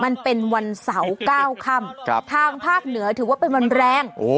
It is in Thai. มันเป็นวันเสาร์๙ค่ำทางภาคเหนือถือว่าเป็นวันแรง